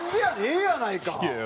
ええやないか！